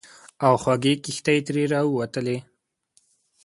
او خوږې کیښتې ترې راووتلې.